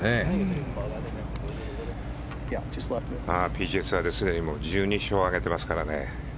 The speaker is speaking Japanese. ＰＧＡツアーで１２勝を挙げていますからね。